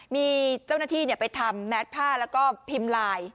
มีเจ้าหน้าที่ไปทำแมทผ้าแล้วก็พิมพ์ไลน์